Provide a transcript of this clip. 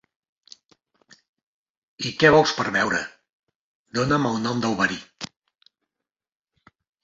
I què vols per beure? Dóna'm el nom del verí.